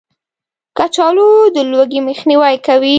کچالو د لوږې مخنیوی کوي